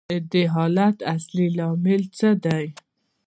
د دې حالت اصلي لامل څه دی